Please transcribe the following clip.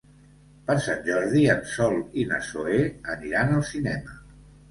Per Sant Jordi en Sol i na Zoè aniran al cinema.